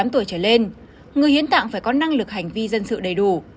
một mươi tám tuổi trở lên người hiến tạng phải có năng lực hành vi dân sự đầy đủ